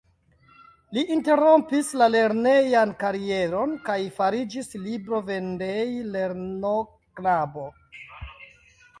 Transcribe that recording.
Li interrompis la lernejan karieron kaj fariĝis librovendejlernoknabo.